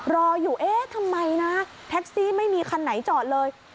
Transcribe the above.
รออยู่เอ๊ะทำไมนะแท็กซี่ไม่มีคันไหนจอดเลย